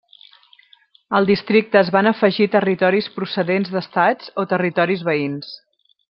Al districte es van afegir territoris procedents d'estats o territoris veïns.